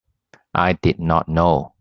I did not know.